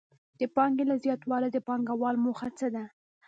د پانګې له زیاتوالي د پانګوال موخه څه ده